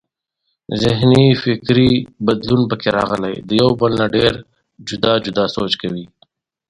ځنګلونه د ژوند د بنسټي نظام برخه ده